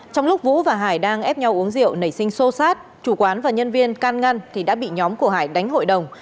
trong lúc vũ và hải đang ép nhau uống rượu nảy sinh sô sát chủ quán và nhân viên can ngăn thì đã bị nhóm của hải đánh hội đồng